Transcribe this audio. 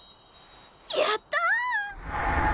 やった！